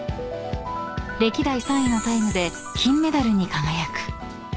［歴代３位のタイムで金メダルに輝く］